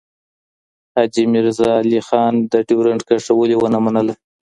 حاجي میرزالي خان د ډیورنډ کرښه ولي ونه منله؟